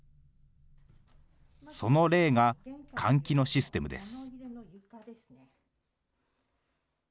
その例が、換気のシステムです。